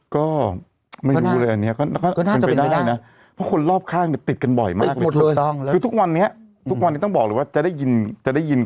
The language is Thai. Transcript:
ก็ไม่รู้เลยอันนี้